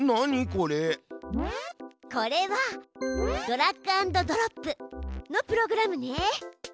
これはドラッグアンドドロップのプログラムね。